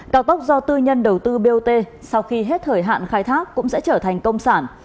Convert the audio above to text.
cao tốc do tư nhân đầu tư bot sau khi hết thời hạn khai thác cũng sẽ trở thành công sản